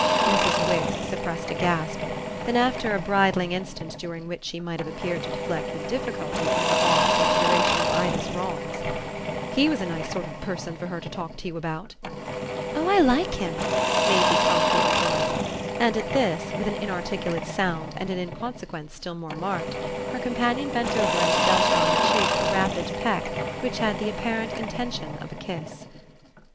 Mrs. Wix suppressed a gasp; then after a bridling instant during which she might have appeared to deflect with difficulty from her odd consideration of Ida's wrongs: "He was a nice sort of person for her to talk to you about!" "Oh I LIKE him!" Maisie promptly rejoined; and at this, with an inarticulate sound and an inconsequence still more marked, her companion bent over and dealt her on the cheek a rapid peck which had the apparent intention of a kiss.